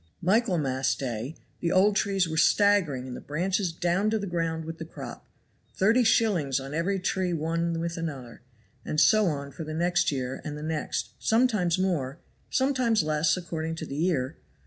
"Michaelmas day the old trees were staggering and the branches down to the ground with the crop; thirty shillings on every tree one with another; and so on for the next year, and the next; sometimes more, sometimes less, according to the year.